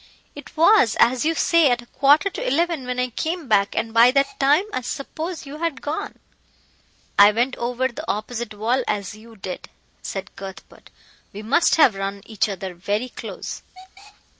It was, as you say, at a quarter to eleven when I came back, and by that time I suppose you had gone." "I went over the opposite wall as you did," said Cuthbert, "we must have run each other very close."